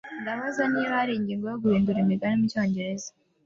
Ndabaza niba hari ingingo yo guhindura imigani mucyongereza.